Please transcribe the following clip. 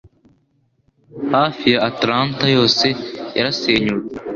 Hafi ya Atlanta yose yarasenyutse.